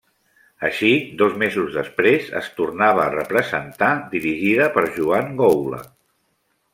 Així, dos mesos després es tornava a representar dirigida per Joan Goula.